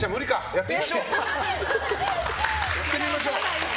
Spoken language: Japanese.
やってみましょう。